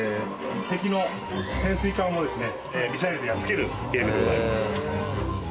ミサイルでやっつけるゲームでございます。